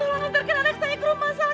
tolong hantarkan anak saya ke rumah sakit